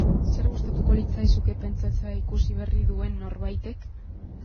Zer gustatuko litzaizuke pentsatzea ikusi berri duen norbaitek?